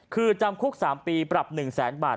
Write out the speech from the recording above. คือจำคุก๓ปีปรับ๑แสนบาท